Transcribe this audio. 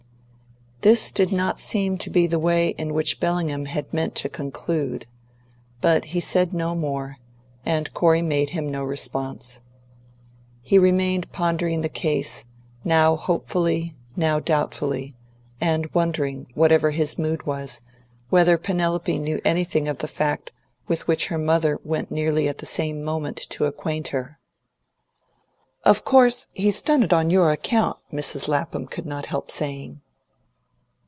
This did not seem to be the way in which Bellingham had meant to conclude. But he said no more; and Corey made him no response. He remained pondering the case, now hopefully, now doubtfully, and wondering, whatever his mood was, whether Penelope knew anything of the fact with which her mother went nearly at the same moment to acquaint her. "Of course, he's done it on your account," Mrs. Lapham could not help saying.